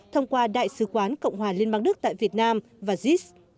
thông qua đại sứ quán cộng hòa liên bang đức tại việt nam và jis